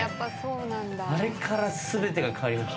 あれから全てが変わりました。